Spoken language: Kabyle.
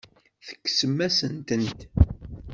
Tekksemt-asent-tent.